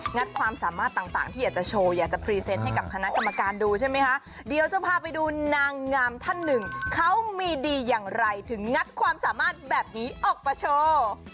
ัดความสามารถต่างที่อยากจะโชว์อยากจะพรีเซนต์ให้กับคณะกรรมการดูใช่ไหมคะเดี๋ยวจะพาไปดูนางงามท่านหนึ่งเขามีดีอย่างไรถึงงัดความสามารถแบบนี้ออกมาโชว์